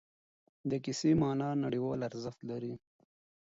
د کیسې معنا نړیوال ارزښت لري.